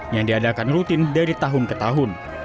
yang diadakan rutin dari tahun ke tahun